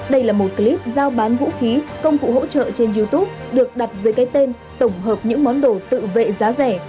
đây là một clip giao bán vũ khí công cụ hỗ trợ trên youtube được đặt dưới cái tên tổng hợp những món đồ tự vệ giá rẻ